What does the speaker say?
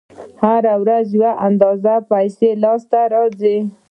هره ورځ یوه اندازه پیسې لاس ته راځي